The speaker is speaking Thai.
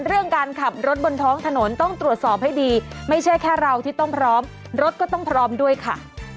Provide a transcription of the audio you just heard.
เรื่องการขับรถบนท้องถนนต้องตรวจสอบให้ดีไม่ใช่แค่เราที่ต้องพร้อมรถก็ต้องพร้อมด้วยค่ะ